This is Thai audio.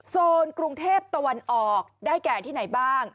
โซนกรุงเทพตะวันออกได้แก่ที่ไหนบ้าง